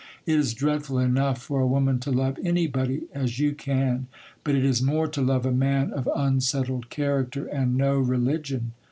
It is dreadful enough for a woman to love anybody as you can, but it is more to love a man of unsettled character and no religion.